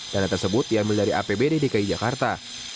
dana tersebut diambil dari apbd dki jakarta